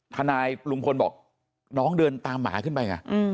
ทนายลุงพลบอกน้องเดินตามหมาขึ้นไปไง